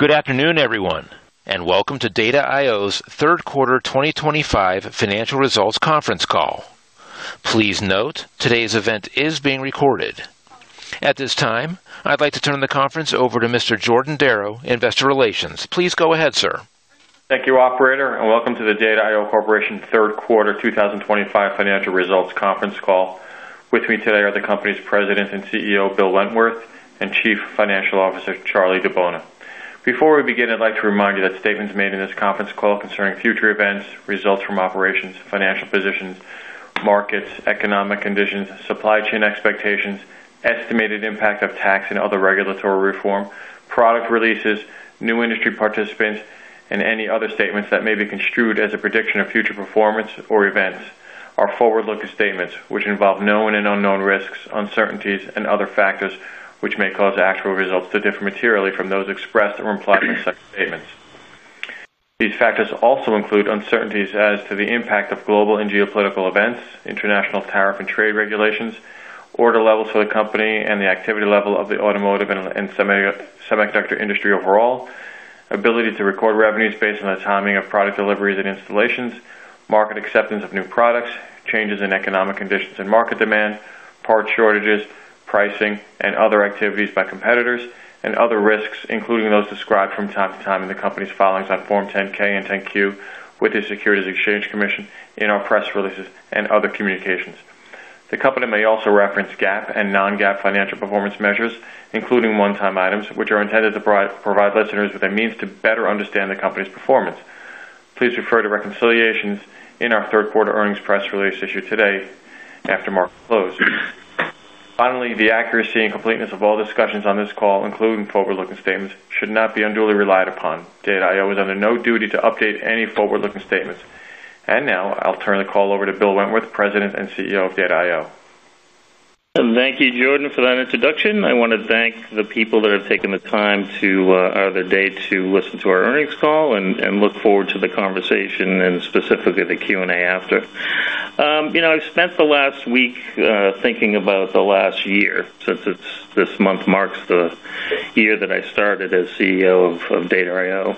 Good afternoon, everyone, and welcome to Data I/O's Third Quarter 2025 Financial Results Conference Call. Please note today's event is being recorded. At this time, I'd like to turn the conference over to Mr. Jordan Darrow, Investor Relations. Please go ahead, sir. Thank you, operator, and welcome to the Data I/O Corporation Third Quarter 2025 Financial Results Conference CiBonaall. With me today are the company's President and CEO, Bill Wentworth, and Chief Financial Officer, Charlie DiBona. Before we begin, I'd like to remind you that statements made in this conference call concerning future events, results from operations, financial positions, markets, economic conditions, supply chain expectations, estimated impact of tax and other regulatory reform, product releases, new industry participants, and any other statements that may be construed as a prediction of future performance or events are forward-looking statements which involve known and unknown risks, uncertainties, and other factors which may cause actual results to differ materially from those expressed or implied in the statements. These factors also include uncertainties as to the impact of global and geopolitical events, international tariff and trade regulations, order levels for the company, and the activity level of the automotive and semiconductor industry overall, ability to record revenues based on the timing of product deliveries and installations, market acceptance of new products, changes in economic conditions and market demand, parts shortages, pricing, and other activities by competitors, and other risks including those described from time to time in the company's filings on Form 10-K and 10-Q with the Securities and Exchange Commission in our press releases and other communications. The company may also reference GAAP and non-GAAP financial performance measures, including one-time items, which are intended to provide listeners with a means to better understand the company's performance. Please refer to reconciliations in our third quarter earnings press release issued today after market close. Finally, the accuracy and completeness of all discussions on this call, including forward-looking statements, should not be unduly relied upon. Data I/O is under no duty to update any forward-looking statements. I'll turn the call over to Bill Wentworth, President and CEO of Data I/O. Thank you, Jordan, for that introduction. I want to thank the people that have taken the time out of their day to listen to our earnings call and look forward to the conversation and specifically the Q&A after. I've spent the last week thinking about the last year since this month marks the year that I started as CEO of Data I/O.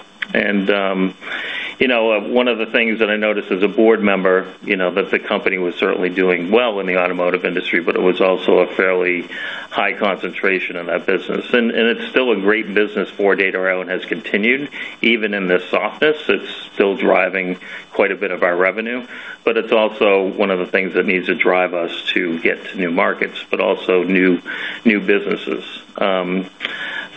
One of the things that I noticed as a board member was that the company was certainly doing well in the automotive industry, but it was also a fairly high concentration in that business. It's still a great business for Data I/O and has continued even in this office. It's still driving quite a bit of our revenue, but it's also one of the things that needs to drive us to get to new markets, but also new businesses.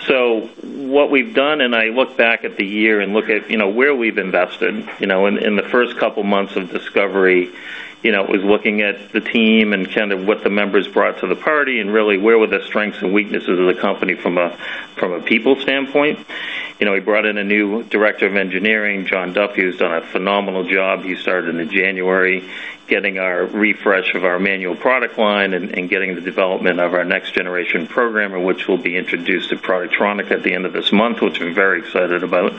What we've done, and I look back at the year and look at where we've invested in the first couple of months of discovery, was looking at the team and kind of what the members brought to the party and really where were the strengths and weaknesses of the company from a people standpoint. We brought in a new Director of Engineering, John Duffy, who's done a phenomenal job. He started in January getting our refresh of our manual product line and getting the development of our next generation program, which will be introduced at productronica at the end of this month, which we're very excited about.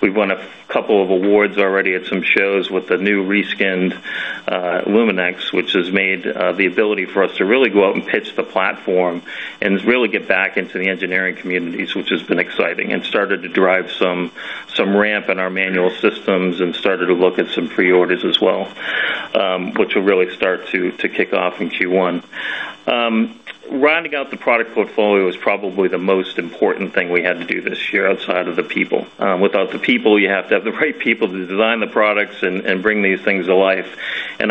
We've won a couple of awards already at some shows with the new reskinned LumenX, which has made the ability for us to really go out and pitch the platform and really get back into the engineering communities, which has been exciting and started to drive some ramp in our manual systems and started to look at some pre-orders as well, which will really start to kick off in Q1. Rounding out the product portfolio is probably the most important thing we had to do this year outside of the people. You have to have the right people to design the products and bring these things to life.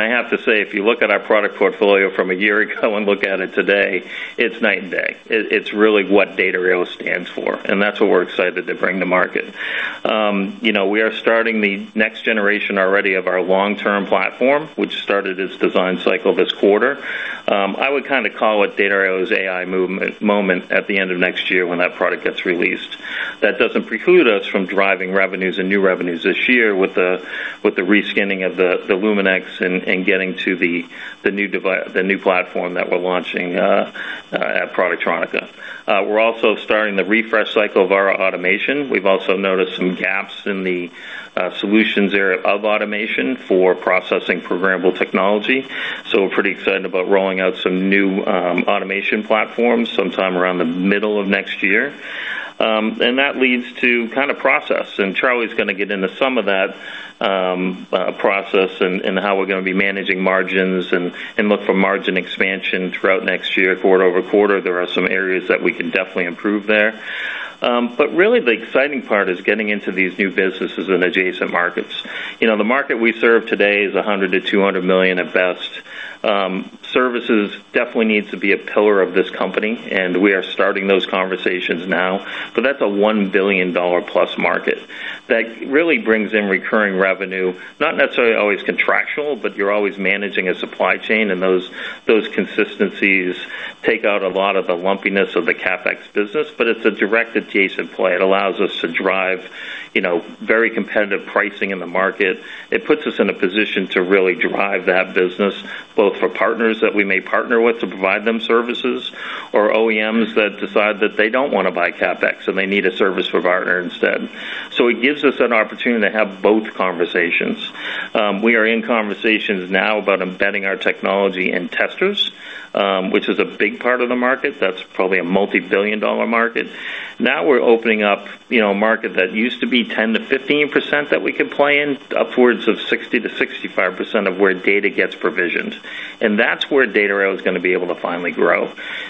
I have to say, if you look at our product portfolio from a year ago and look at it today, it's night and day. It's really what Data I/O stands for, and that's what we're excited to bring to market. We are starting the next generation already of our long-term platform, which started its design cycle this quarter. I would kind of call it Data I/O's AI moment at the end of next year when that product gets released. That doesn't preclude us from driving revenues and new revenues this year with the reskinning of the LumenX and getting to the new platform that we're launching at productronica. We're also starting the refresh cycle of our automation. We've also noticed some gaps in the solutions area of automation for processing programmable technology. We're pretty excited about rolling out some new automation platforms sometime around the middle of next year. That leads to process, and Charlie's going to get into some of that process and how we're going to be managing margins and look for margin expansion throughout next year, quarter-over-quarter. There are some areas that we can definitely improve there. Really, the exciting part is getting into these new businesses and adjacent markets. The market we serve today is $100million-$200million at best. Services definitely need to be a pillar of this company, and we are starting those conversations now, but that's a $1 billion-plus market that really brings in recurring revenue, not necessarily always contractual, but you're always managing a supply chain, and those consistencies take out a lot of the lumpiness of the CapEx business. It's a direct adjacent play. It allows us to drive very competitive pricing in the market. It puts us in a position to really drive that business, both for partners that we may partner with to provide them services or OEMs that decide that they don't want to buy CapEx and they need a service provider instead. It gives us an opportunity to have both conversations. We are in conversations now about embedding our technology in testers, which is a big part of the market. That's probably a multi-billion-dollar market. Now we're opening up a market that used to be 10%-15% that we could play in, upwards of 60%-65% of where data gets provisioned. That's where Data I/O is going to be able to finally grow.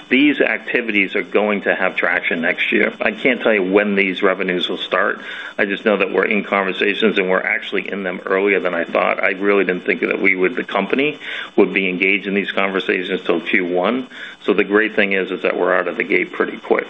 These activities are going to have traction next year. I can't tell you when these revenues will start. I just know that we're in conversations and we're actually in them earlier than I thought. I really didn't think that we would, the company, would be engaged in these conversations till Q1. The great thing is that we're out of the gate pretty quick.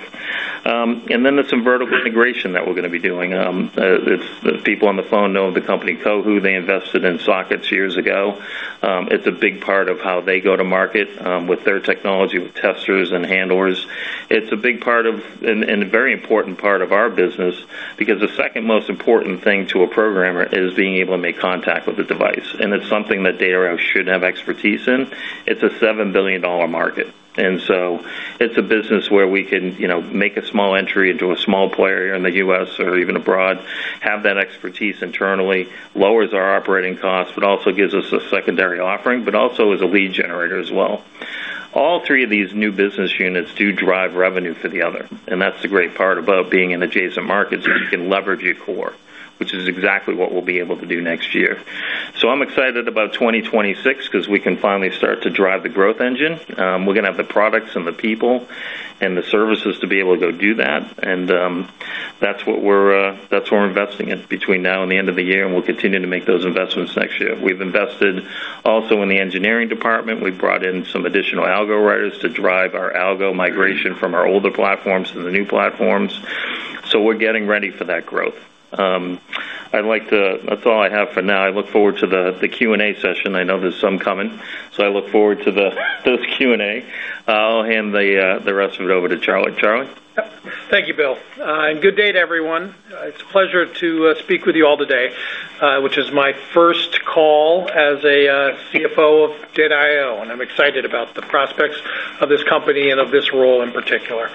There's some vertical integration that we're going to be doing. The people on the phone know of the company Cohu. They invested in sockets years ago. It's a big part of how they go to market with their technology with testers and handlers. It's a big part of and a very important part of our business because the second most important thing to a programmer is being able to make contact with a device. It's something that Data I/O should have expertise in. It's a $7 billion market. It's a business where we can make a small entry into a small player here in the U.S. or even abroad, have that expertise internally, lowers our operating costs, but also gives us a secondary offering and is a lead generator as well. All three of these new business units do drive revenue for the other. That's the great part about being in adjacent markets, you can leverage your core, which is exactly what we'll be able to do next year. I'm excited about 2026 because we can finally start to drive the growth engine. We're going to have the products and the people and the services to be able to go do that. That's what we're investing in between now and the end of the year, and we'll continue to make those investments next year. We've invested also in the engineering department. We've brought in some additional algo writers to drive our algo migration from our older platforms to the new platforms. We're getting ready for that growth. That's all I have for now. I look forward to the Q&A session. I know there's some coming. I look forward to the Q&A. I'll hand the rest of it over to Charlie. Charlie? Thank you, Bill. Good day, everyone. It's a pleasure to speak with you all today, which is my first call as CFO of Data I/O, and I'm excited about the prospects of this company and of this role in particular.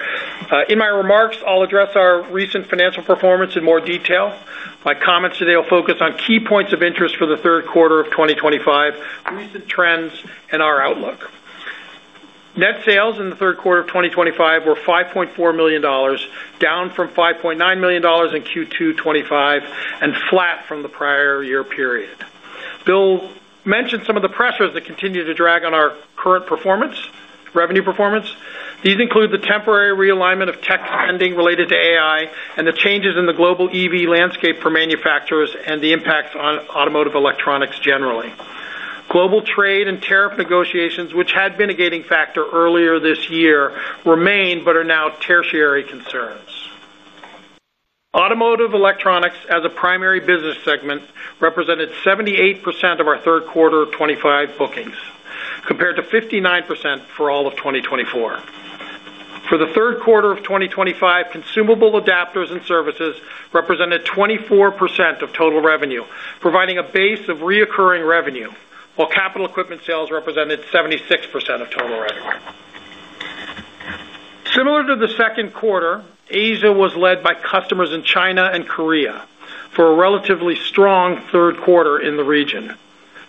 In my remarks, I'll address our recent financial performance in more detail. My comments today will focus on key points of interest for the third quarter of 2025, recent trends, and our outlook. Net sales in the third quarter of 2025 were $5.4 million, down from $5.9 million in Q2 2025 and flat from the prior year period. Bill mentioned some of the pressures that continue to drag on our current revenue performance. These include the temporary realignment of tech spending related to AI and the changes in the global EV landscape for manufacturers and the impact on automotive electronics generally. Global trade and tariff negotiations, which had been a gating factor earlier this year, remain but are now tertiary concerns. Automotive electronics, as a primary business segment, represented 78% of our third quarter 2025 bookings, compared to 59% for all of 2024. For the third quarter of 2025, consumable adapters and services represented 24% of total revenue, providing a base of recurring revenue, while capital equipment sales represented 76% of total revenue. Similar to the second quarter, Asia was led by customers in China and Korea for a relatively strong third quarter in the region,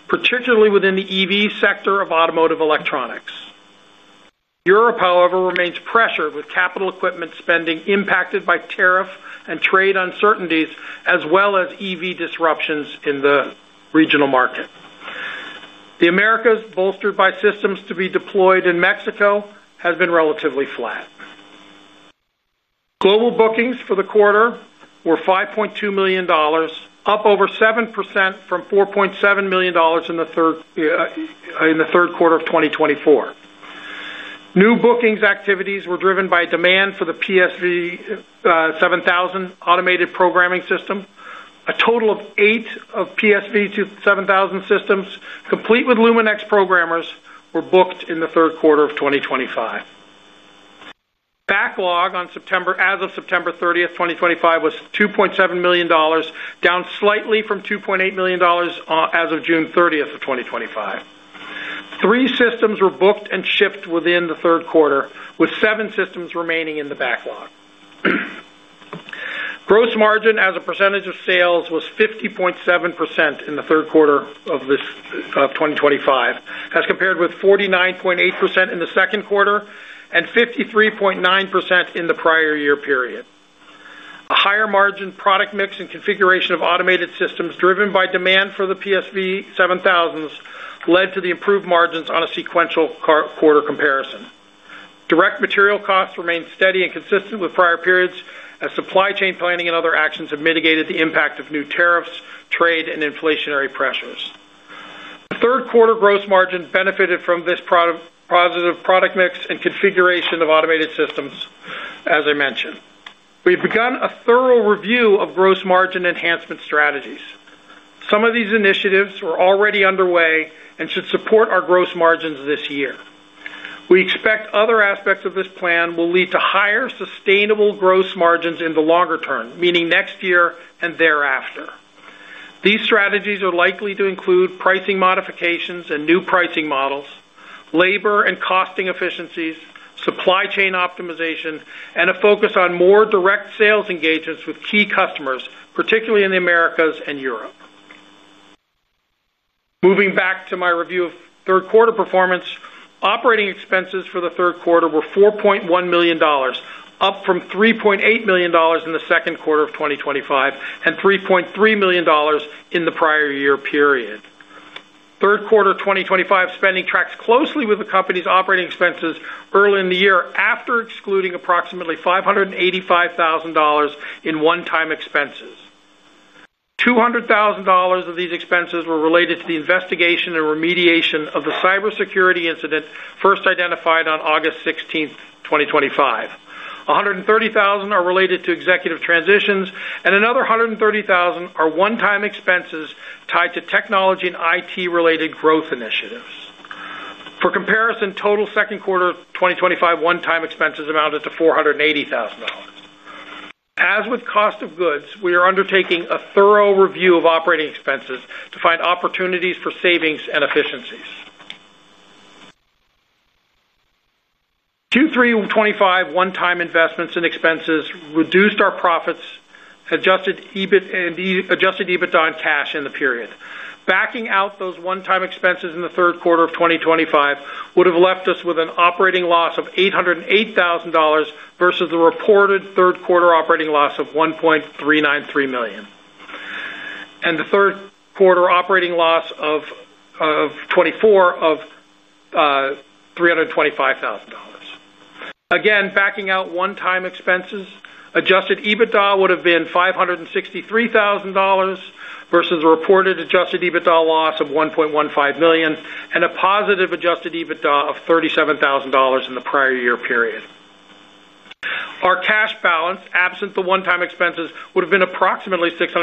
particularly within the EV sector of automotive electronics. Europe, however, remains pressured with capital equipment spending impacted by tariff and trade uncertainties, as well as EV disruptions in the regional market. The Americas, bolstered by systems to be deployed in Mexico, has been relatively flat. Global bookings for the quarter were $5.2 million, up over 7% from $4.7 million in the third quarter of 2024. New bookings activities were driven by demand for the PSV7000 automated programming system. A total of eight PSV7000 systems, complete with LumenX programmers, were booked in the third quarter of 2025. Backlog as of September 30th, 2025, was $2.7 million, down slightly from $2.8 million as of June 30th, 2025. Three systems were booked and shipped within the third quarter, with seven systems remaining in the backlog. Gross margin as a percentage of sales was 50.7% in the third quarter of 2025, as compared with 49.8% in the second quarter and 53.9% in the prior year period. A higher margin product mix and configuration of automated systems driven by demand for the PSV7000s led to the improved margins on a sequential quarter comparison. Direct material costs remained steady and consistent with prior periods as supply chain planning and other actions have mitigated the impact of new tariffs, trade, and inflationary pressures. The third quarter gross margin benefited from this positive product mix and configuration of automated systems, as I mentioned. We've begun a thorough review of gross margin enhancement strategies. Some of these initiatives were already underway and should support our gross margins this year. We expect other aspects of this plan will lead to higher sustainable gross margins in the longer term, meaning next year and thereafter. These strategies are likely to include pricing modifications and new pricing models, labor and costing efficiencies, supply chain optimization, and a focus on more direct sales engagements with key customers, particularly in the Americas and Europe. Moving back to my review of third quarter performance, operating expenses for the third quarter were $4.1 million, up from $3.8 million in the second quarter of 2025 and $3.3 million in the prior year period. Third quarter 2025 spending tracks closely with the company's operating expenses early in the year after excluding approximately $585,000 in one-time expenses. $200,000 of these expenses were related to the investigation and remediation of the cybersecurity incident first identified on August 16th, 2025. $130,000 are related to executive transitions, and another $130,000 are one-time expenses tied to technology and IT-related growth initiatives. For comparison, total second quarter 2025 one-time expenses amounted to $480,000. As with cost of goods, we are undertaking a thorough review of operating expenses to find opportunities for savings and efficiencies. Q3 2025 one-time investments and expenses reduced our profits, Adjusted EBITDA on cash in the period. Backing out those one-time expenses in the third quarter of 2025 would have left us with an operating loss of $808,000 versus the reported third quarter operating loss of $1.393 million and the third quarter operating loss of 2024 of $325,000. Again, backing out one-time expenses, Adjusted EBITDA would have been $563,000 versus the reported Adjusted EBITDA loss of $1.15 million and a positive Adjusted EBITDA of $37,000 in the prior year period. Our cash balance, absent the one-time expenses, would have been approximately $600,000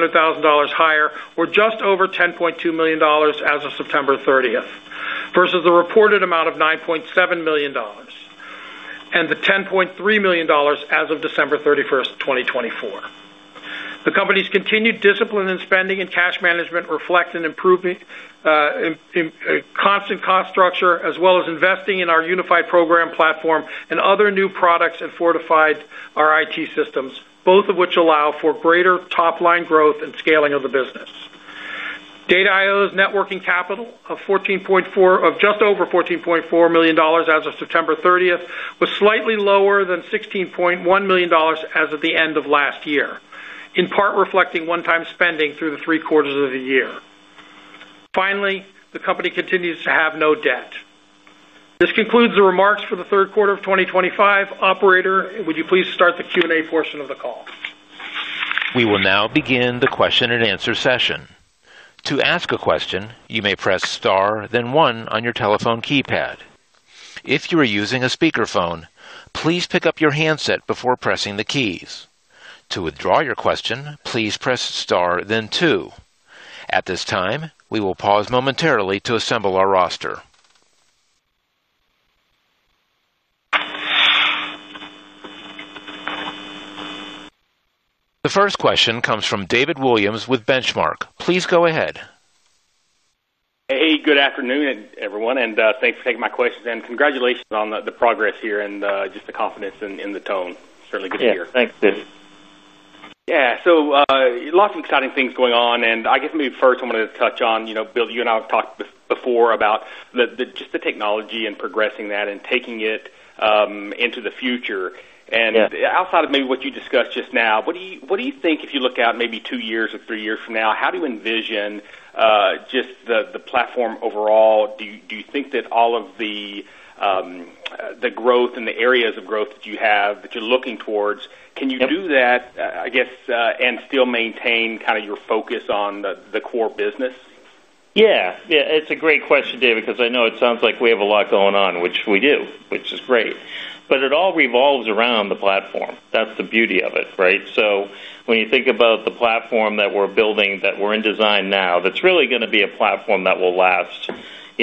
higher or just over $10.2 million as of September 30th versus the reported amount of $9.7 million, and the $10.3 million as of December 31st, 2024. The company's continued discipline in spending and cash management reflect an improvement in constant cost structure, as well as investing in our unified programming platform and other new products, and fortified our IT systems, both of which allow for greater top-line growth and scaling of the business. Data I/O's networking capital of just over $14.4 million as of September 30th was slightly lower than $16.1 million as of the end of last year, in part reflecting one-time spending through the three quarters of the year. Finally, the company continues to have no debt. This concludes the remarks for the third quarter of 2025. Operator, would you please start the Q&A portion of the call? We will now begin the question-and-answer session. To ask a question, you may press star, then one, on your telephone keypad. If you are using a speakerphone, please pick up your handset before pressing the keys. To withdraw your question, please press star, then two. At this time, we will pause momentarily to assemble our roster. The first question comes from David Williams with Benchmark. Please go ahead. Good afternoon, everyone. Thanks for taking my questions. Congratulations on the progress here and the confidence in the tone. Certainly good to hear. Yeah, thanks, David. Yeah, lots of exciting things going on. I guess maybe first I want to touch on, Bill, you and I have talked before about just the technology and progressing that and taking it into the future. Outside of maybe what you discussed just now, what do you think if you look out maybe 2 years or 3 years from now, how do you envision just the platform overall? Do you think that all of the growth and the areas of growth that you have that you're looking towards, can you do that, I guess, and still maintain kind of your focus on the core business? Yeah. It's a great question, David, because I know it sounds like we have a lot going on, which we do, which is great. It all revolves around the platform. That's the beauty of it, right? When you think about the platform that we're building, that we're in design now, that's really going to be a platform that will last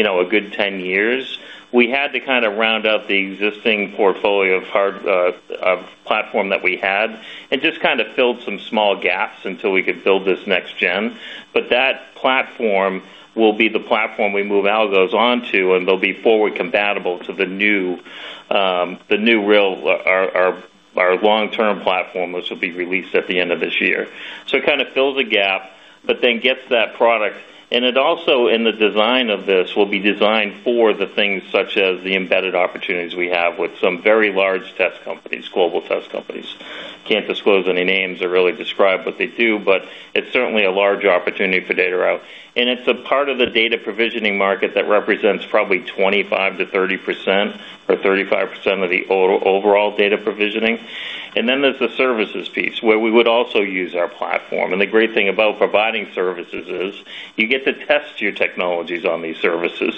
a good 10 years. We had to kind of round up the existing portfolio of platform that we had and just kind of filled some small gaps until we could build this next gen. That platform will be the platform we move algos onto, and they'll be forward compatible to the new, real, our long-term platform, which will be released at the end of this year. It kind of fills a gap, but then gets that product. It also, in the design of this, will be designed for the things such as the embedded opportunities we have with some very large test companies, global test companies. Can't disclose any names or really describe what they do, but it's certainly a large opportunity for Data I/O. It's a part of the data provisioning market that represents probably 25%-30% or 35% of the overall data provisioning. Then there's the services piece where we would also use our platform. The great thing about providing services is you get to test your technologies on these services.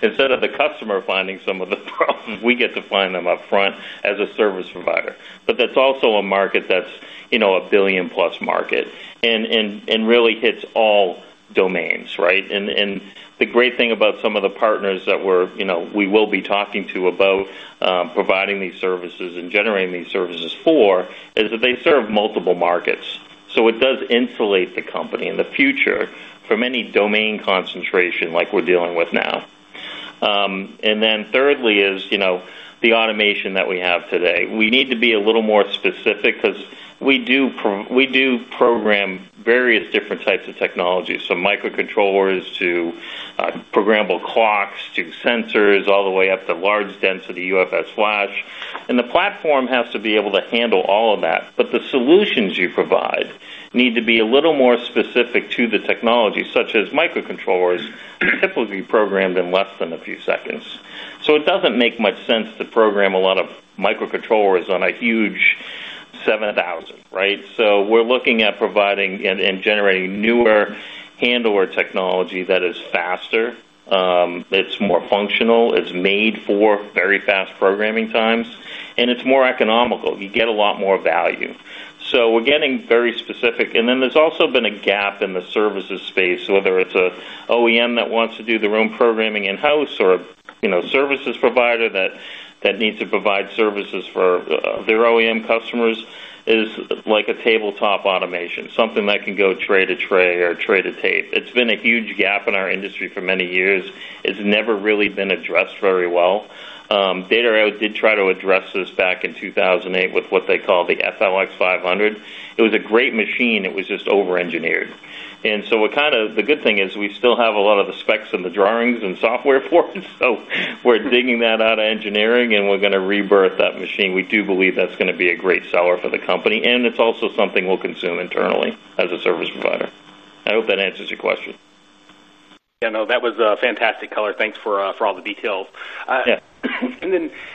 Instead of the customer finding some of the problems, we get to find them upfront as a service provider. That's also a market that's a billion-plus market and really hits all domains, right? The great thing about some of the partners that we will be talking to about providing these services and generating these services for is that they serve multiple markets. It does insulate the company in the future from any domain concentration like we're dealing with now. Thirdly is the automation that we have today. We need to be a little more specific because we do program various different types of technologies, from microcontrollers to programmable clocks to sensors, all the way up to large-density UFS flash. The platform has to be able to handle all of that. The solutions you provide need to be a little more specific to the technology, such as microcontrollers typically programmed in less than a few seconds. It doesn't make much sense to program a lot of microcontrollers on a huge 7000, right? We're looking at providing and generating newer handover technology that is faster. It's more functional. It's made for very fast programming times, and it's more economical. You get a lot more value. We're getting very specific. There's also been a gap in the services space, whether it's an OEM that wants to do their own programming in-house or a services provider that needs to provide services for their OEM customers. It's like a tabletop automation, something that can go tray to tray or tray to tape. It's been a huge gap in our industry for many years. It's never really been addressed very well. Data I/O did try to address this back in 2008 with what they call the FLX500. It was a great machine. It was just over-engineered. The good thing is we still have a lot of the specs and the drawings and software for it. We're digging that out of engineering, and we're going to rebirth that machine. We do believe that's going to be a great seller for the company, and it's also something we'll consume internally as a service provider. I hope that answers your question. Yeah, no, that was fantastic, color. Thanks for all the details. Yeah.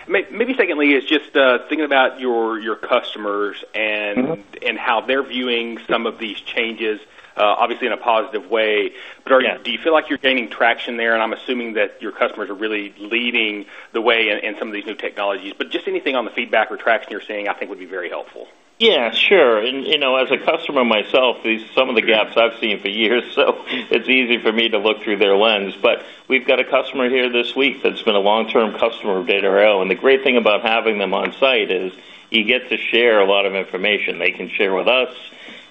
Maybe secondly, just thinking about your customers and how they're viewing some of these changes, obviously in a positive way. Do you feel like you're gaining traction there? I'm assuming that your customers are really leading the way in some of these new technologies. Anything on the feedback or traction you're seeing, I think, would be very helpful. Yeah. Sure. As a customer myself, some of the gaps I've seen for years, so it's easy for me to look through their lens. We've got a customer here this week that's been a long-term customer of Data I/O. The great thing about having them on site is you get to share a lot of information. They can share with us.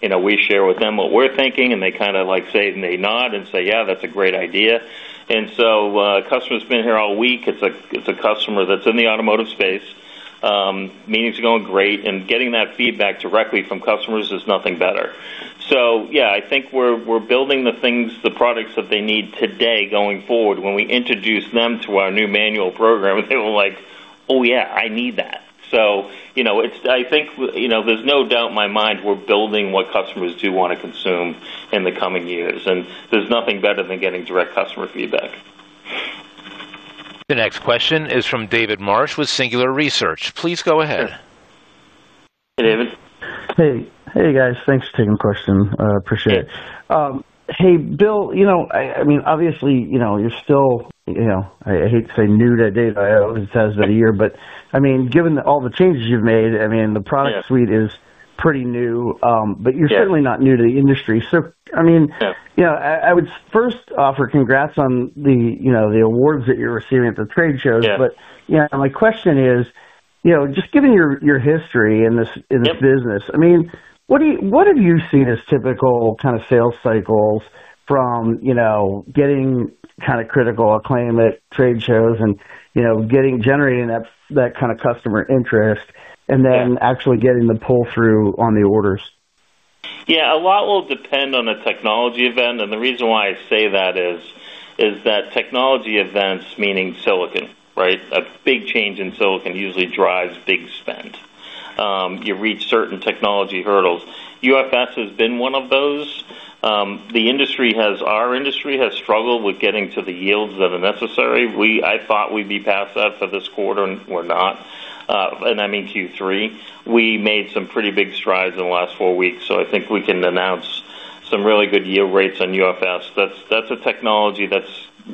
We share with them what we're thinking, and they kind of nod and say, "Yeah, that's a great idea." A customer's been here all week. It's a customer that's in the automotive space. Meetings are going great, and getting that feedback directly from customers is nothing better. I think we're building the things, the products that they need today going forward. When we introduce them to our new manual program, they were like, "Oh, yeah, I need that." I think there's no doubt in my mind we're building what customers do want to consume in the coming years. There's nothing better than getting direct customer feedback. The next question is from David Marsh with Singular Research. Please go ahead. Hey, David. Hey, guys. Thanks for taking the question. Appreciate it. Good. Hey, Bill, obviously, you're still—I hate to say new to Data I/O since it has been a year. Given all the changes you've made, the product suite is pretty new, but you're certainly not new to the industry. Yeah. I would first offer congrats on the awards that you're receiving at the trade shows. Yeah. My question is, just given your history in this business, what have you seen as typical kind of sales cycles from getting kind of critical acclaim at trade shows and generating that kind of customer interest and then actually getting the pull-through on the orders? Yeah. A lot will depend on the technology event. The reason why I say that is that technology events, meaning silicon, right? A big change in silicon usually drives big spend. You reach certain technology hurdles. UFS has been one of those. The industry has struggled with getting to the yields that are necessary. I thought we'd be past that for this quarter, and we're not. I mean Q3. We made some pretty big strides in the last 4 weeks. I think we can announce some really good yield rates on UFS. That's a technology that's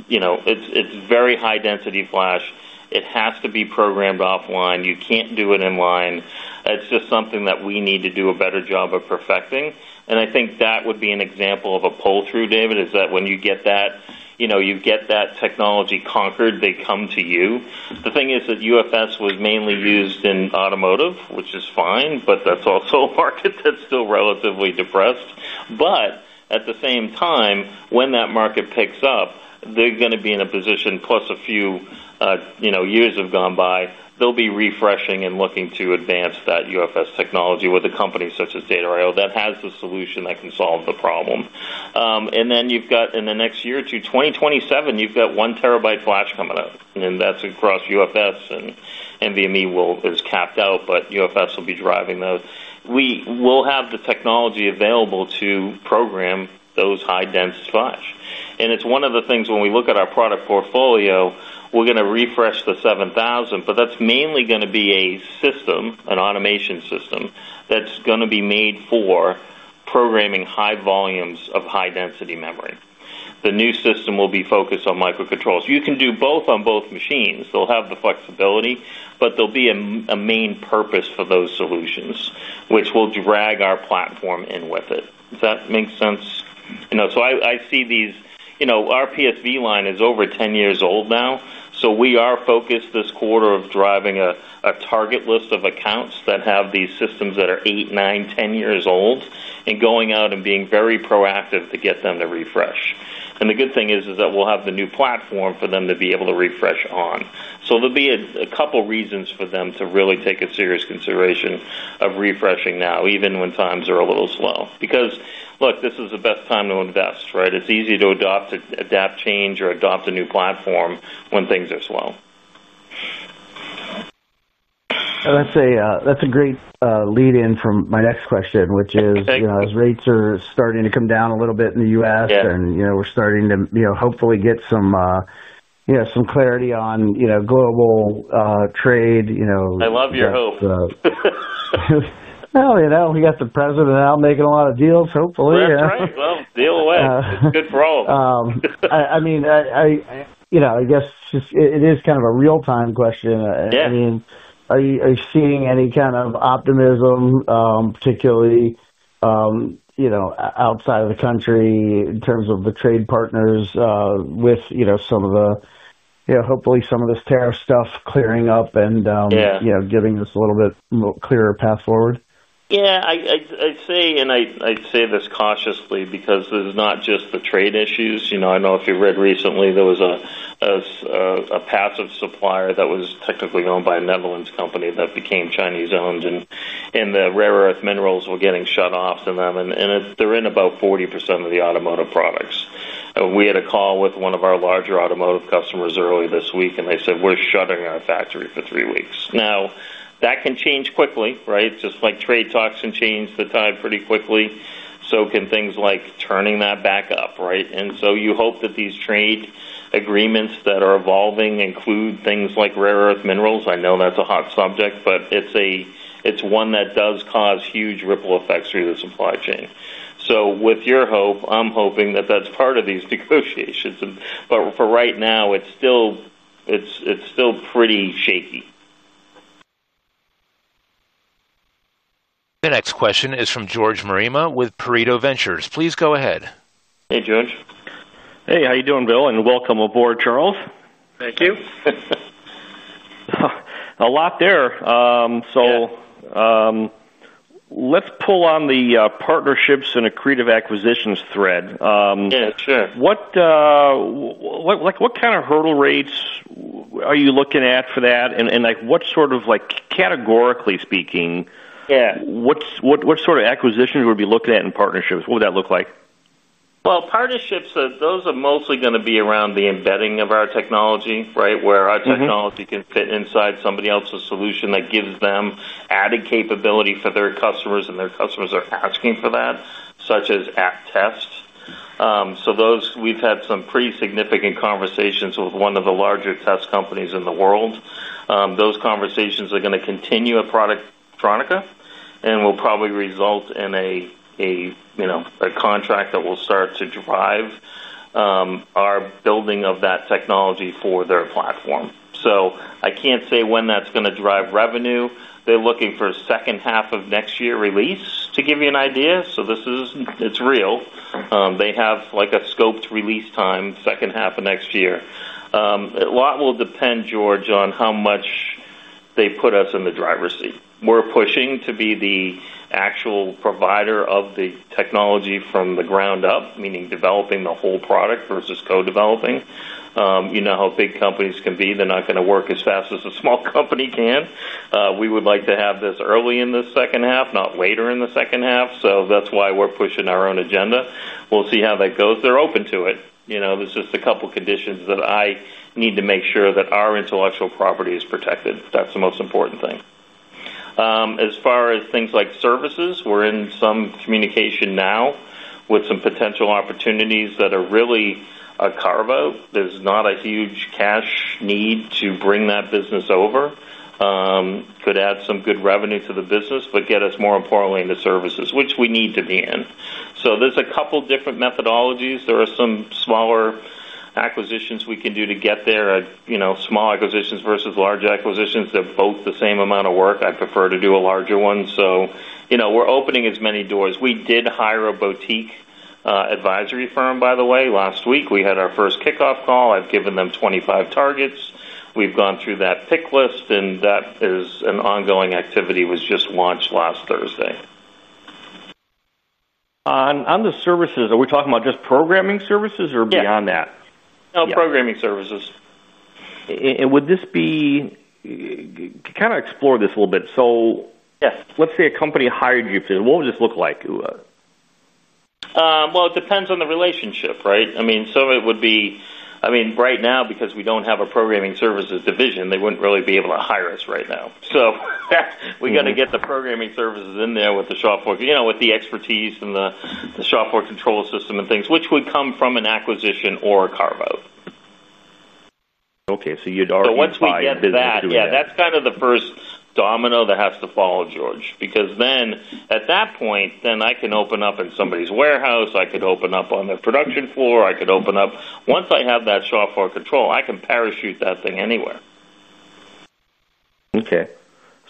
very high-density flash. It has to be programmed offline. You can't do it in-line. It's just something that we need to do a better job of perfecting. I think that would be an example of a pull-through, David, is that when you get that, you get that technology conquered, they come to you. The thing is that UFS was mainly used in automotive, which is fine, but that's also a market that's still relatively depressed. At the same time, when that market picks up, they're going to be in a position, plus a few years have gone by, they'll be refreshing and looking to advance that UFS technology with a company such as Data I/O that has the solution that can solve the problem. Then you've got in the next year or two, 2027, you've got one terabyte flash coming out. That's across UFS and NVMe is capped out, but UFS will be driving those. We will have the technology available to program those high-density flash. It's one of the things when we look at our product portfolio, we're going to refresh the 7000, but that's mainly going to be a system, an automation system that's going to be made for programming high volumes of high-density memory. The new system will be focused on microcontrols. You can do both on both machines. They'll have the flexibility, but there'll be a main purpose for those solutions, which will drag our platform in with it. Does that make sense? I see these, our PSV line is over 10 years old now. We are focused this quarter on driving a target list of accounts that have these systems that are 8, 9, 10 years old and going out and being very proactive to get them to refresh. The good thing is that we'll have the new platform for them to be able to refresh on. There'll be a couple of reasons for them to really take a serious consideration of refreshing now, even when times are a little slow. Look, this is the best time to invest, right? It's easy to adopt a change or adopt a new platform when things are slow. That's a great lead-in for my next question, which is. Thank you. As rates are starting to come down a little bit in the U.S., we're starting to hopefully get some clarity on global trade. I love your hope. We got the President out making a lot of deals, hopefully. That's right. Deal away. It's good for all. I guess it is kind of a real-time question. Are you seeing any kind of optimism, particularly outside of the country in terms of the trade partners with some of the—hopefully, some of this tariff stuff clearing up? Yeah. Giving us a little bit clearer path forward. Yeah. I'd say, and I say this cautiously because it's not just the trade issues. I know if you read recently, there was a passive supplier that was technically owned by a Netherlands company that became Chinese-owned. The rare earth minerals were getting shut off to them, and they're in about 40% of the automotive products. We had a call with one of our larger automotive customers early this week, and they said, "We're shutting our factory for 3 weeks." That can change quickly, right? Just like trade talks can change the tide pretty quickly, so can things like turning that back up, right? You hope that these trade agreements that are evolving include things like rare earth minerals. I know that's a hot subject, but it's one that does cause huge ripple effects through the supply chain. With your hope, I'm hoping that that's part of these negotiations. For right now, it's still pretty shaky. The next question is from George Marema with Pareto Ventures. Please go ahead. Hey, George. Hey, how you doing, Bill? And welcome aboard, Charlie. Thank you. A lot there. Yeah. Let's pull on the partnerships and accretive acquisitions thread. Yeah. Sure. What kind of hurdle rates are you looking at for that? What sort of, categorically speaking. Yeah. What sort of acquisitions would we be looking at in partnerships? What would that look like? Partnerships are mostly going to be around the embedding of our technology, where our technology can fit inside somebody else's solution that gives them added capability for their customers, and their customers are asking for that, such as app tests. We've had some pretty significant conversations with one of the larger test companies in the world. Those conversations are going to continue at productronica and will probably result in a contract that will start to drive our building of that technology for their platform. I can't say when that's going to drive revenue. They're looking for the second half of next year release to give you an idea. It's real. They have a scoped release time, second half of next year. A lot will depend, George, on how much they put us in the driver's seat. We're pushing to be the actual provider of the technology from the ground up, meaning developing the whole product versus co-developing. You know how big companies can be. They're not going to work as fast as a small company can. We would like to have this early in the second half, not later in the second half. That's why we're pushing our own agenda. We'll see how that goes. They're open to it. There's just a couple of conditions that I need to make sure that our intellectual property is protected. That's the most important thing. As far as things like services, we're in some communication now with some potential opportunities that are really a carve-out. There's not a huge cash need to bring that business over. Could add some good revenue to the business, but get us more importantly into services, which we need to be in. There's a couple of different methodologies. There are some smaller acquisitions we can do to get there, small acquisitions versus large acquisitions. They're both the same amount of work. I prefer to do a larger one. We're opening as many doors. We did hire a boutique advisory firm, by the way, last week. We had our first kickoff call. I've given them 25 targets. We've gone through that pick list, and that is an ongoing activity. It was just launched last Thursday. On the services, are we talking about just programming services or beyond that? Yeah, programming services. Would this be kind of explore this a little bit. Yes. Let's say a company hired you. What would this look like? It depends on the relationship, right? I mean, some of it would be, I mean, right now, because we don't have a programming services division, they wouldn't really be able to hire us right now. We got to get the programming services in there with the shop for, with the expertise and the shop for control system and things, which would come from an acquisition or a carve-out. Okay, you'd already be able to do that. Once we get that, that's kind of the first domino that has to fall, George. At that point, I can open up in somebody's warehouse. I could open up on their production floor. Once I have that shop for control, I can parachute that thing anywhere. Okay, in terms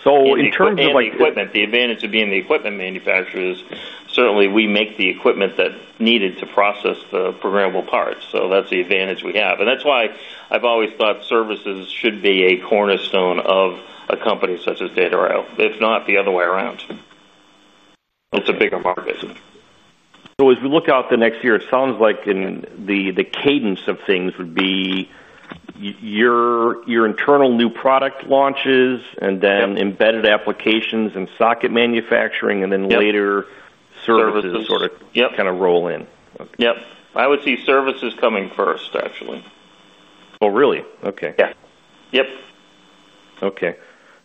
of. We can make the equipment. The advantage of being the equipment manufacturer is certainly we make the equipment that's needed to process the programmable parts. That's the advantage we have. That's why I've always thought services should be a cornerstone of a company such as Data I/O. If not, the other way around. It's a bigger market. As we look out the next year, it sounds like the cadence of things would be your internal new product launches, then embedded applications and socket manufacturing, and then later. Yep. Services. Services kind of roll in. Yep, I would see services coming first, actually. Oh, really? Okay. Yeah. Yep. Okay.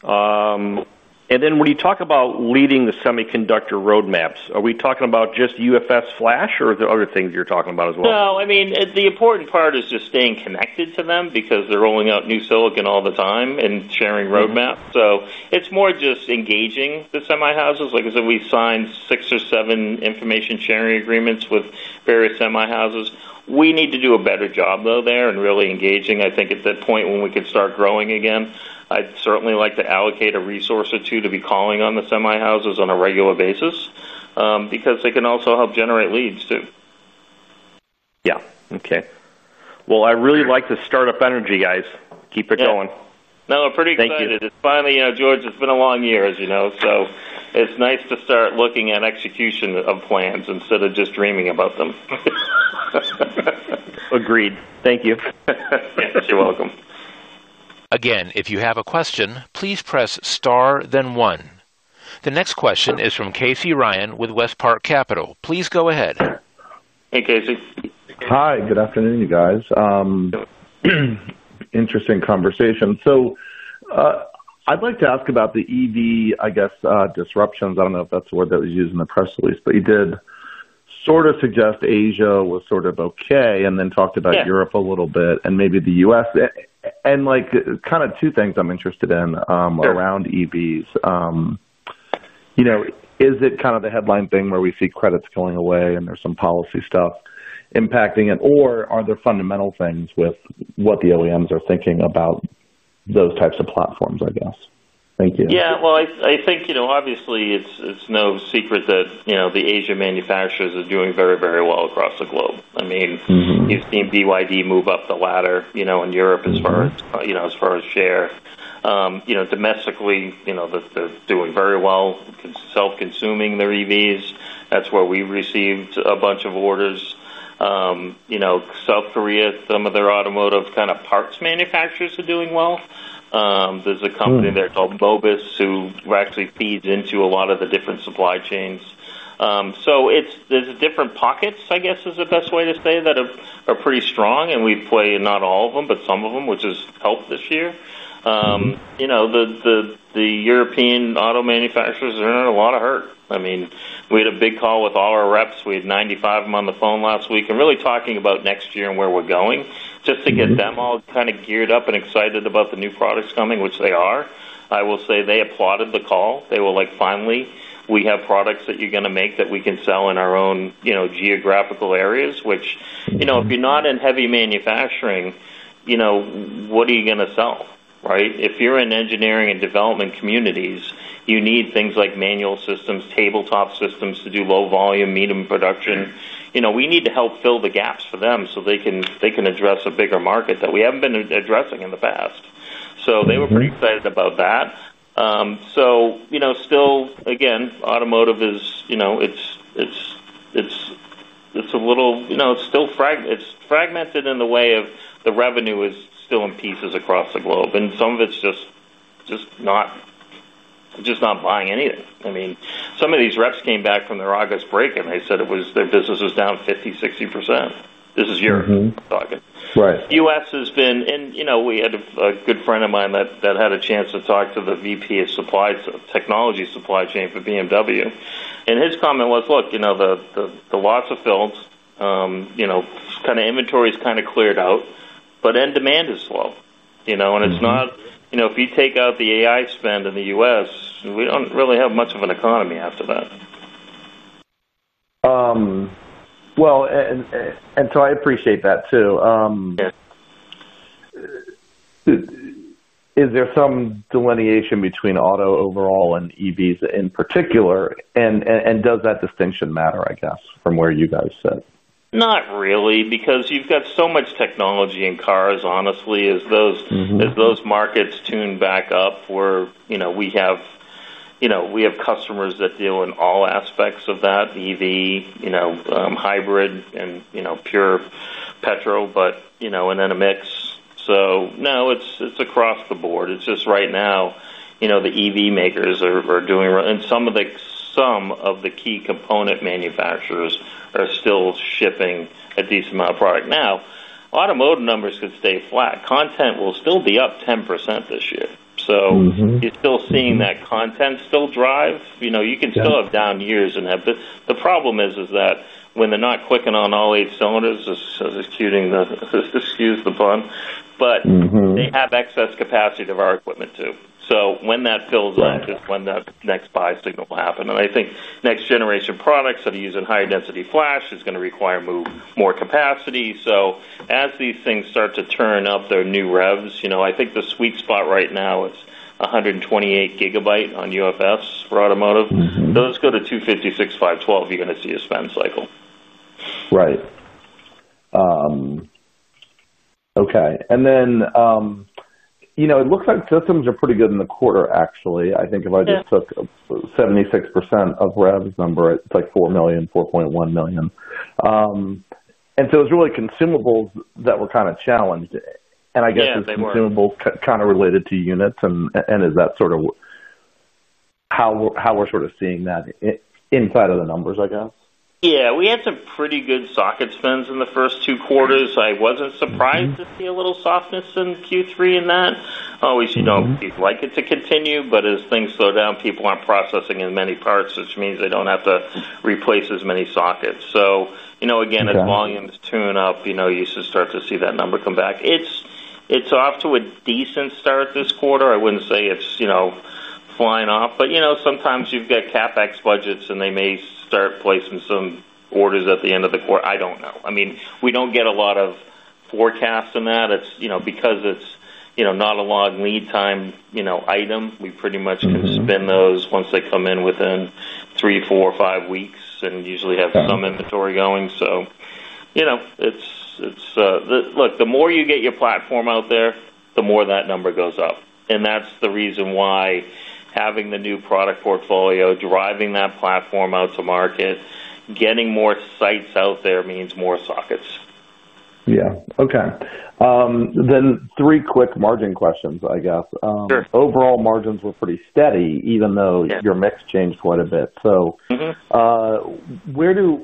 When you talk about leading the semiconductor roadmaps, are we talking about just UFS flash or are there other things you're talking about as well? No, I mean, the important part is just staying connected to them because they're rolling out new silicon all the time and sharing roadmaps. It's more just engaging the semi houses. Like I said, we signed six or seven information sharing agreements with various semi houses. We need to do a better job, though, there and really engaging. I think at that point when we could start growing again, I'd certainly like to allocate a resource or two to be calling on the semi houses on a regular basis because they can also help generate leads too. Yeah. Okay. I really like the startup energy, guys. Keep it going. Yeah, no, pretty excited. Thank you. Finally, George, it's been a long year, as you know. It's nice to start looking at execution of plans instead of just dreaming about them. Agreed. Thank you. You're welcome. Again, if you have a question, please press star, then one. The next question is from Casey Ryan with WestPark Capital. Please go ahead. Hey, Casey. Hi. Good afternoon, you guys. Good. Interesting conversation. I'd like to ask about the EV, I guess, disruptions. I don't know if that's the word that was used in the press release, but you did sort of suggest Asia was sort of okay and then talked about Europe a little bit and maybe the U.S. Two things I'm interested in around EVs. Is it kind of the headline thing where we see credits going away and there's some policy stuff impacting it, or are there fundamental things with what the OEMs are thinking about, those types of platforms, I guess? Thank you. Yeah. I think obviously it's no secret that the Asia manufacturers are doing very, very well across the globe. I mean, you've seen BYD move up the ladder in Europe as far as share. Domestically, they're doing very well self-consuming their EVs. That's where we've received a bunch of orders. South Korea, some of their automotive kind of parts manufacturers are doing well. There's a company there called Bobis who actually feeds into a lot of the different supply chains. There are different pockets, I guess is the best way to say, that are pretty strong. We play in not all of them, but some of them, which has helped this year. The European auto manufacturers are in a lot of hurt. I mean, we had a big call with all our reps. We had 95 of them on the phone last week and really talking about next year and where we're going just to get them all kind of geared up and excited about the new products coming, which they are. I will say they applauded the call. They were like, "Finally, we have products that you're going to make that we can sell in our own geographical areas," which if you're not in heavy manufacturing, what are you going to sell, right? If you're in engineering and development communities, you need things like manual systems, tabletop systems to do low volume, medium production. We need to help fill the gaps for them so they can address a bigger market that we haven't been addressing in the past. They were pretty excited about that. Still, again, automotive is a little—it's still fragmented in the way of the revenue is still in pieces across the globe. Some of it's just not buying anything. I mean, some of these reps came back from their August break, and they said their business was down 50%, 60%. This is Europe talking. Right. U.S. has been—and we had a good friend of mine that had a chance to talk to the VP of Supply, Technology Supply Chain for BMW. His comment was, "Look, the lots of films. Kind of inventory is kind of cleared out, but end demand is slow." If you take out the AI spend in the U.S., we don't really have much of an economy after that. I appreciate that too. Yeah. Is there some delineation between auto overall and EVs in particular? Does that distinction matter, I guess, from where you guys sit? Not really because you've got so much technology in cars, honestly. As those markets tune back up where we have customers that deal in all aspects of that: EV, hybrid, and pure petrol, and then a mix. No, it's across the board. It's just right now the EV makers are doing, and some of the key component manufacturers are still shipping a decent amount of product. Now, automotive numbers could stay flat. Content will still be up 10% this year. You're still seeing that content still drives. You can still have down years and have—the problem is that when they're not clicking on all eight cylinders, this is excusing the pun, but they have excess capacity to our equipment too. When that fills up is when that next buy signal will happen. I think next generation products that are using higher density flash are going to require more capacity. As these things start to turn up their new revs, I think the sweet spot right now is 128 GB on UFS for automotive. Those go to 256, 512, you're going to see a spend cycle. Right. Okay. It looks like systems are pretty good in the quarter, actually. I think if I just took 76% of revs number, it's like $4 million, $4.1 million. It's really consumables that were kind of challenged. I guess it's consumables kind of related to units. Is that sort of how we're sort of seeing that inside of the numbers, I guess? Yeah. We had some pretty good socket spends in the first two quarters. I wasn't surprised to see a little softness in Q3 and that. Obviously, people like it to continue, but as things slow down, people aren't processing as many parts, which means they don't have to replace as many sockets. Again, as volumes tune up, you start to see that number come back. It's off to a decent start this quarter. I wouldn't say it's flying off, but sometimes you've got CapEx budgets, and they may start placing some orders at the end of the quarter. I don't know. I mean, we don't get a lot of forecasts in that. Because it's not a long lead time item, we pretty much can spin those once they come in within 3, 4, or 5 weeks and usually have some inventory going. Look, the more you get your platform out there, the more that number goes up. That's the reason why having the new product portfolio, driving that platform out to market, getting more sites out there means more sockets. Okay. Three quick margin questions, I guess. Sure. Overall margins were pretty steady even though your mix changed quite a bit. Where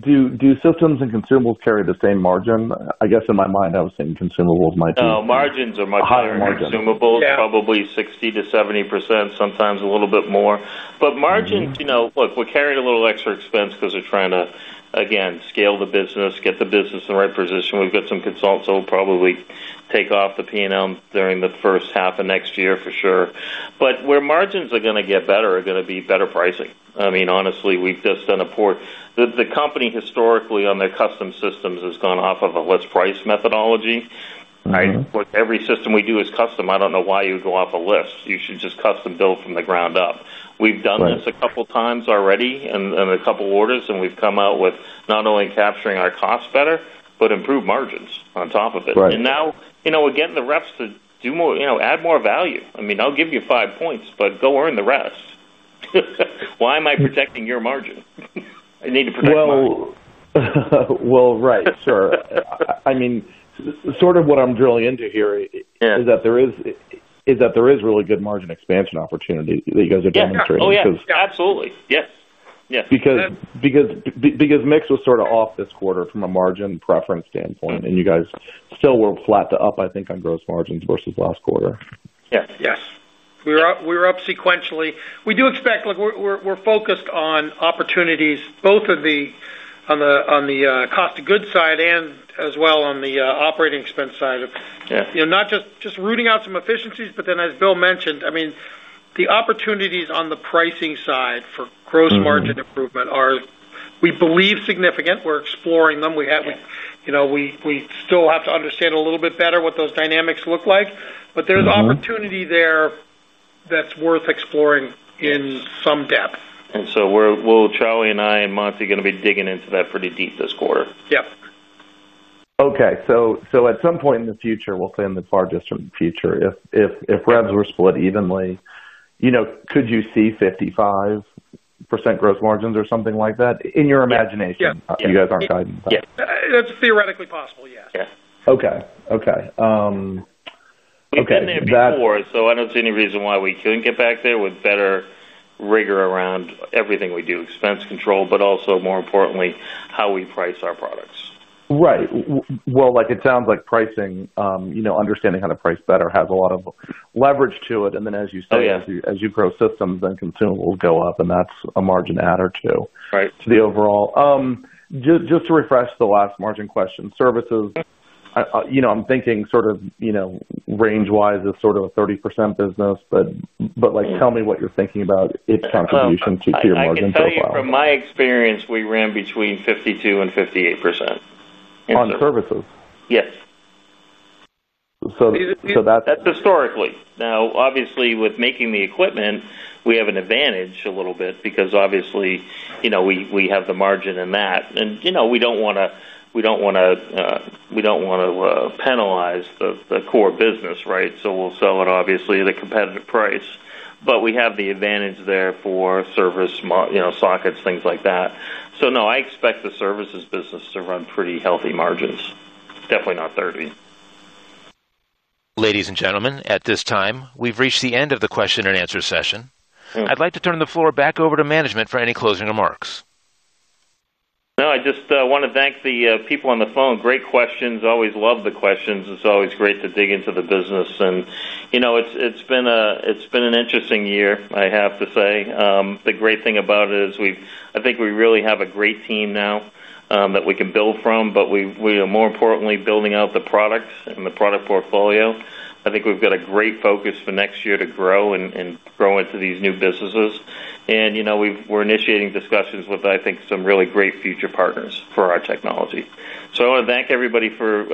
do systems and consumables carry the same margin? I guess in my mind, I was saying consumables might be. Margins are much higher in consumables, probably 60%-70%, sometimes a little bit more. Margins, look, we're carrying a little extra expense because we're trying to, again, scale the business, get the business in the right position. We've got some consultants that will probably take off the P&L during the first half of next year for sure. Where margins are going to get better are going to be better pricing. Honestly, we've just done a poor—the company historically on their custom systems has gone off of a list price methodology. Every system we do is custom. I don't know why you would go off a list. You should just custom build from the ground up. We've done this a couple of times already and a couple of orders, and we've come out with not only capturing our costs better, but improved margins on top of it. Now we're getting the reps to add more value. I'll give you five points, but go earn the rest. Why am I protecting your margin? I need to protect mine. Right. Sure. I mean, sort of what I'm drilling into here is that there is really good margin expansion opportunity that you guys are demonstrating because. Oh, yeah. Absolutely. Yes. Yes. Because mix was sort of off this quarter from a margin preference standpoint, and you guys still were flat to up, I think, on gross margins versus last quarter. Yes. Yes. We were up sequentially. We do expect, look, we're focused on opportunities both on the cost of goods side and as well on the operating expense side of not just rooting out some efficiencies, but then as Bill mentioned, I mean, the opportunities on the pricing side for gross margin improvement are, we believe, significant. We're exploring them. We still have to understand a little bit better what those dynamics look like. There's opportunity there that's worth exploring in some depth. Charlie and I and Monty are going to be digging into that pretty deep this quarter. Yep. At some point in the future, let's say in the farthest from the future, if revenues were split evenly, could you see 55% gross margins or something like that in your imagination? You guys aren't guiding that. Yeah, that's theoretically possible. Yes. Okay. Okay. We've been there before, so I don't see any reason why we couldn't get back there with better rigor around everything we do: expense control, but also, more importantly, how we price our products. Right. It sounds like understanding how to price better has a lot of leverage to it. As you say, as you grow systems, then consumables go up, and that's a margin add or two to the overall. Just to refresh the last margin question, services. Okay. I'm thinking sort of range-wise is sort of a 30% business, but tell me what you're thinking about its contribution to your margin profile. Yeah, I think from my experience, we ran between 52% and 58%. On services? Yes. So that's. That's historically. Now, obviously, with making the equipment, we have an advantage a little bit because, obviously, we have the margin in that. We don't want to penalize the core business, right? We'll sell it, obviously, at a competitive price, but we have the advantage there for service, sockets, things like that. No, I expect the services business to run pretty healthy margins, definitely not 30%. Ladies and gentlemen, at this time, we've reached the end of the question-and-answer session. I'd like to turn the floor back over to management for any closing remarks. No, I just want to thank the people on the phone. Great questions. Always love the questions. It's always great to dig into the business. It's been an interesting year, I have to say. The great thing about it is I think we really have a great team now that we can build from, but we are, more importantly, building out the products and the product portfolio. I think we've got a great focus for next year to grow and grow into these new businesses. We're initiating discussions with, I think, some really great future partners for our technology. I want to thank everybody for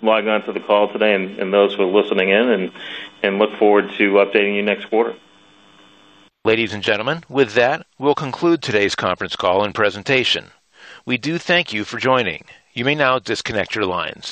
logging on to the call today and those who are listening in and look forward to updating you next quarter. Ladies and gentlemen, with that, we'll conclude today's conference call and presentation. We do thank you for joining. You may now disconnect your lines.